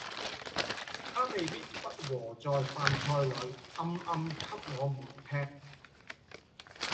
他未必不和在飯菜裏，暗暗給我們喫。